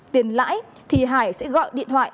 tiền lãi thì hải sẽ gọi điện thoại